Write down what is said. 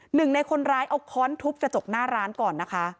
หนึ่งในคนร้ายเอาค้อนทุบกระจกหน้าร้านก่อนนะคะ